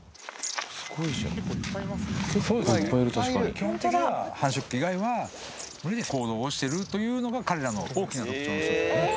そうですね、基本的には繁殖期以外は群れで行動をしているというのが、彼らの大きな特徴の一つ。